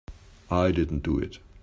I didn't do it.